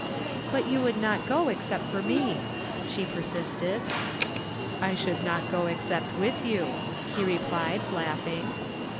" But you would not go except for me," she persisted. " I should not go except with you," he replied, laughing.